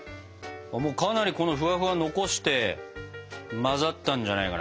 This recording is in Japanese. かなりこのフワフワ残して混ざったんじゃないかな？